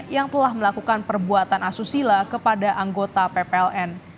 yang telah melakukan perbuatan asusila kepada anggota ppln